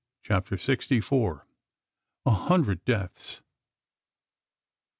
CHAPTER SIXTY FOUR. A HUNDRED DEATHS.